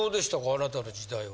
あなたの時代は。